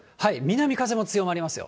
南風も強まりますよ。